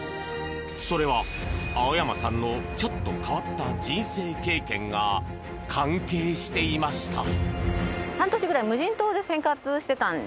それは、青山さんのちょっと変わった人生経験が関係していました。